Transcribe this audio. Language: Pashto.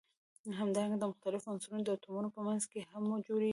همدارنګه د مختلفو عنصرونو د اتومونو په منځ کې هم جوړیږي.